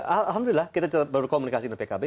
alhamdulillah kita berkomunikasi dengan pkb